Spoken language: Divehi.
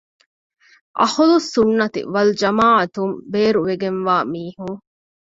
އަހުލުއްސުންނަތި ވަލްޖަމާޢަތުން ބޭރުވެގެންވާ މީހުން